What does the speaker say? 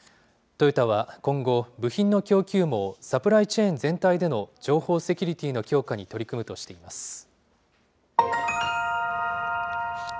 トヨタは今後、部品の供給網・サプライチェーン全体での情報セキュリティーの強化に取り組むとしています。